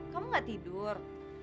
kamu gak tidur